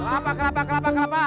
kelapa kelapa kelapa kelapa